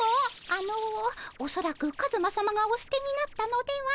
あのおそらくカズマさまがお捨てになったのでは。